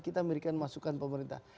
kita memberikan masukan pemerintah